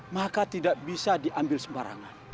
maka tidak bisa diambil sembarangan